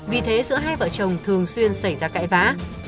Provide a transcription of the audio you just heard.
vì thế giữa hai vợ chồng thường xuyên xảy ra cãi vã